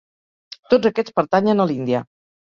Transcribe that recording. Tots aquests pertanyen a l'Índia.